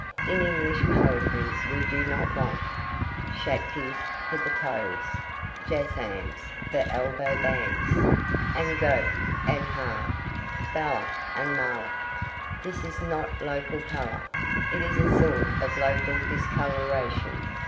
In English poetry we do not want chatkis for the toes, Jasams for elbow bands, and gote and har, Bala and mala. This is not local colour; it is a sort of local discoloration.